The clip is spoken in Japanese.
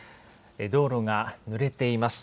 道路がぬれています。